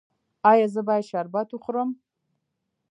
ایا زه باید شربت وخورم؟